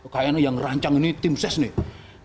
kayaknya yang ngerancang ini tim ses nih